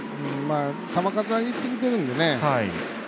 球数が、いってきてるんでね。